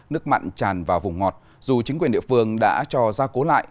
nước mặn tràn vào vùng ngọt dù chính quyền địa phương đã cho ra cố lại